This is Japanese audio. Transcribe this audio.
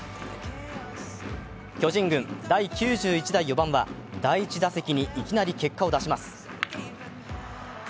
巨人軍第９１代４番は第１打席にいきなり結果を出します。